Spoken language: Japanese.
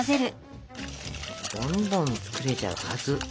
どんどん作れちゃうはず。